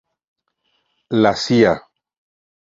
La Cía.